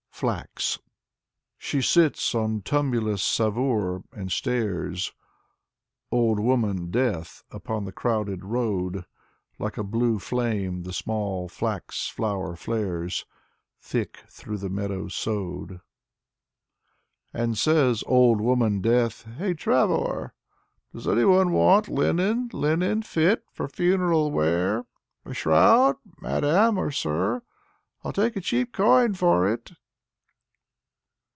Ivan Bunin 97 FLAX She sits on tumulus Savoor, and stares, Old woman Death, upon the crowded road. Like a blue flame the small flax flower flares Thick through the meadows sowed. And says old woman Death: " Hey, traveler I Does any one want linen, linen fit For funeral wear? A shroud, madam or sir, 111 take cheap coin for it!